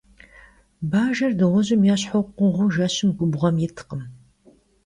Bajjer dığujım yêşhu khuğıu jjeşım gubğuem yitkhım.